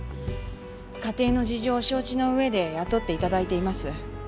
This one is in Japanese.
家庭の事情を承知の上で雇っていただいています。